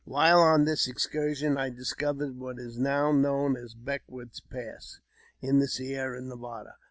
While on this excursion I discovered what is now known as Beckwourth's Pass " in the Sierra Nevada.